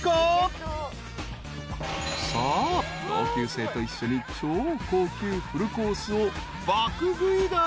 ［さあ同級生と一緒に超高級フルコースを爆食いだ］